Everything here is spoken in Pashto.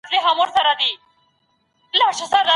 د مطالعې وخت بايد تنظيم سي.